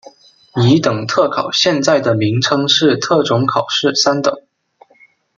乙等特考现在的名称是特种考试三等。